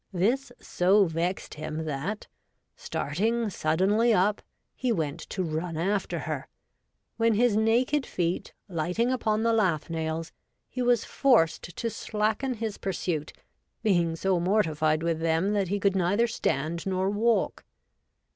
This so vexed him that, starting suddenly up, he went to run after her ; when his naked feet lighting upon the lath nails, he was forced to slacken his pursuit, being so mortified with them that he could neither stand nor walk.